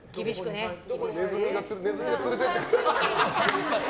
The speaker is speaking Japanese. ネズミが連れてって。